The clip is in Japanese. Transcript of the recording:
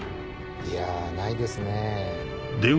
いやぁないですね。